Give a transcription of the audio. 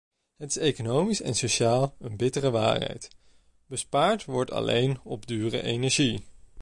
Het is economisch en sociaal een bittere waarheid: bespaard wordt alleen op dure energie.